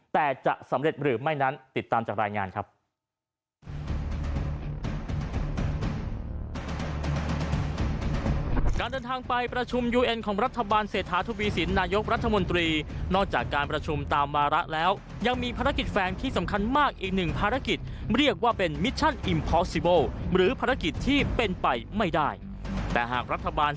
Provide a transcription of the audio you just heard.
แต่จะสำเร็จหรือไม่นั้นติดตามจากรายงานครับ